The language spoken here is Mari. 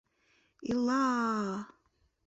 Ила-а!